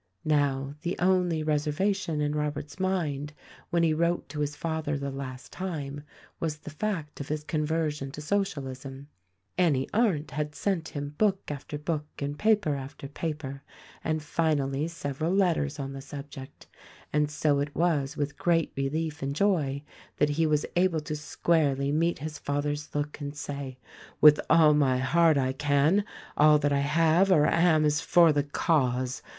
Now, the only reservation in Robert's mind when he wrote to his father the last time was the fact of his conver sion to Socialism. Annie Arndt had sent him book after THE RECORDING ANGEL 237 book and paper after paper and finally several letters on the subject; and so it was with great relief and joy that he was able to squarely meet his father's look and say, "With all my heart I can ; all that I have or am is for the cause.